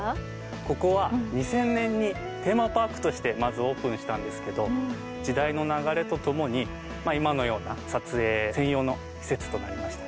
ここは２０００年にテーマパークとしてまずオープンしたんですけど時代の流れとともに今のような撮影専用の施設となりました